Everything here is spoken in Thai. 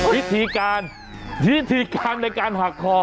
วิธีการวิธีการในการหักคอ